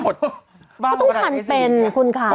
เค้าต้องถ่านเป็นคุณค่า